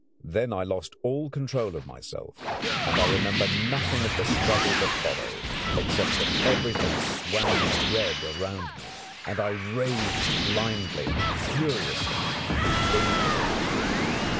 Then I lost all control of myself, and I remember nothing of the struggle that followed, except that everything swam red around me, and I raged blindly, furiously, impotently.